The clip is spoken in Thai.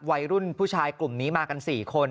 วัยรุ่นผู้ชายกลุ่มนี้มากัน๔คน